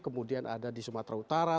kemudian ada di sumatera utara